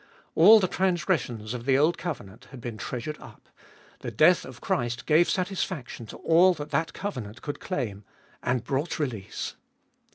All the transgressions of the old covenant had been treasured up ; the death of Christ gave satisfaction to all that that covenant could claim, and brought release.